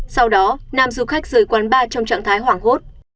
sau đó nam du khách rời quán bar trong trạng thái hoảng hốt